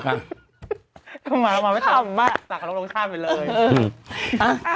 เรามาไม่ทำมารคล้ำหลักของทรงชาติเป็นอยู่เลย